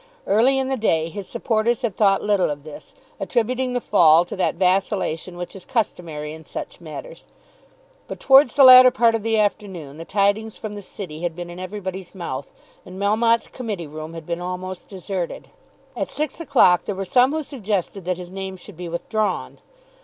Early in the day his supporters had thought little of this, attributing the fall to that vacillation which is customary in such matters; but towards the latter part of the afternoon the tidings from the City had been in everybody's mouth, and Melmotte's committee room had been almost deserted. At six o'clock there were some who suggested that his name should be withdrawn.